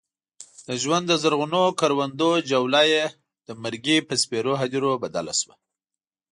د ژوند د زرغونو کروندو جوله یې د مرګي په سپېرو هديرو بدله شوه.